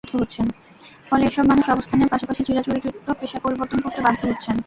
ফলে এসব মানুষ অবস্থানের পাশাপাশি চিরাচরিত পেশা পরিবর্তন করতে বাধ্য হচ্ছেন।